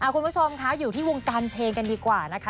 คุณผู้ชมคะอยู่ที่วงการเพลงกันดีกว่านะคะ